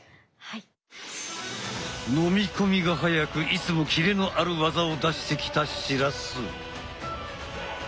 飲み込みが早くいつもキレのある技を出してきた白洲。